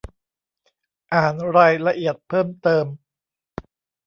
อ่านรายละเอียดเพิ่มเติม